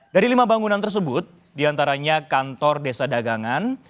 dari lima bangunan tersebut diantaranya kantor desa dagangan